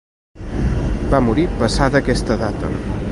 Va morir passada aquesta data.